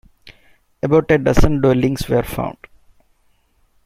About a dozen dwellings were found.